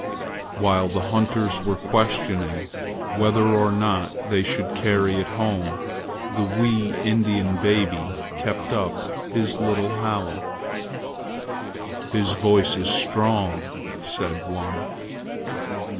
While the hunters were questioning whether or no they should carry it home, the wee Indian baby kept up his little howl. "His voice is strong!" said one.